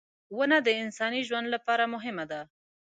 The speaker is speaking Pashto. • ونه د انساني ژوند لپاره مهمه ده.